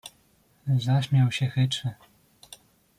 "Zaśmiał się chytrze."